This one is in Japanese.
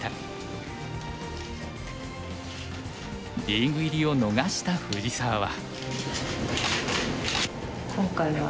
リーグ入りを逃した藤沢は。